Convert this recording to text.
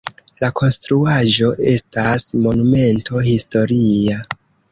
La konstruaĵo estas Monumento historia.